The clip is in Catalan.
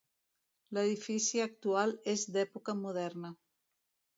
L'edifici actual és d'època moderna.